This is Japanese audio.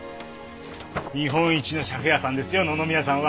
日本一の写譜屋さんですよ野々宮さんは。